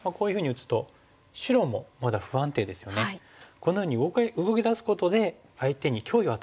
このように動き出すことで相手に脅威を与える。